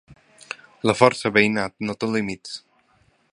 La força veïnal no té límits.